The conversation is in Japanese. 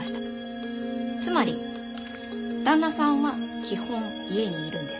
つまり旦那さんは基本家にいるんです。